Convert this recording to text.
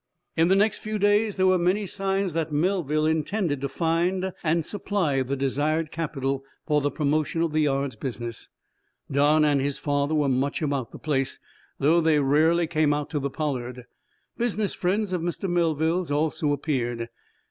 In the next few days there were many signs that Melville intended to find and supply the desired capital for the promotion of the yard's business. Don and his father were much about the place, though they rarely came out to the "Pollard." Business friends of Mr. Melville's also appeared.